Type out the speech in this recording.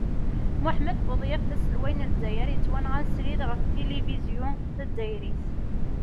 Muḥemmed Buḍyaf d aselway n lezzayer yettwanɣan srid ɣef tilivizyu tazzayrit.